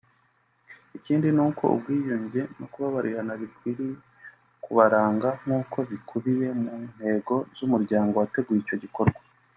Ikindi nuko ubwiyunge no kubabarirana bikwiye kubaranga nkuko bikubiye mu ntego z'umuryango wateguye icyo gikorwa